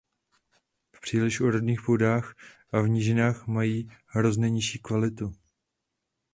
V příliš úrodných půdách a v nížinách mají hrozny nižší kvalitu.